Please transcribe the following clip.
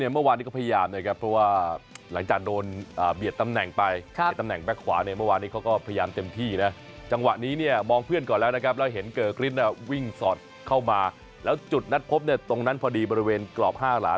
เนี่ยเกอร์กริสต์พยายามที่จะเข้าให้ถึงบอลแต่สุดท้ายเนี่ยโดนแผงหลังของเกาหลิตาแล้วเบียดสกัดเอาไว้ก่อนครับ